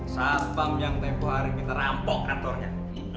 saat bang yang tempoh hari kita rampok kantornya